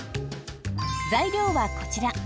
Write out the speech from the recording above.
材料はこちら。